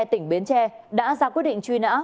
tỉnh bến tre đã ra quyết định truy nã